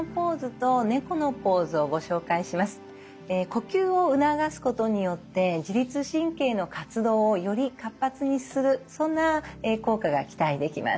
呼吸を促すことによって自律神経の活動をより活発にするそんな効果が期待できます。